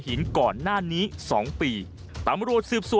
มันกลับมาแล้ว